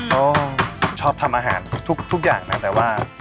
เขาชอบทำอาหารทุกอย่างนะแต่ว่า